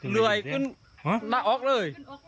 เงยขึ้นนะอ๊อกเลย